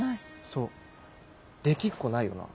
そうできっこないよな。